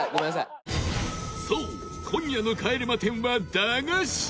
そう、今夜の帰れま１０は駄菓子！